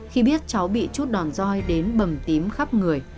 khi biết cháu bị chút đòn roi đến bầm tím khắp người